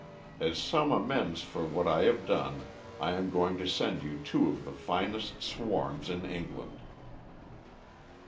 As some amends for what I have done I am going to send you two of the finest swarms in England."